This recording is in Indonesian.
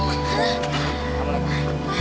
udah gak apa apa